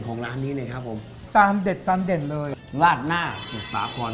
ร้านนี้เลยครับผมจานเด็ดจานเด่นเลยลาดหน้าสมุทรสาคร